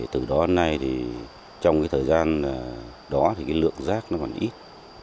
từ đó đến nay trong thời gian đó lượng rác còn ít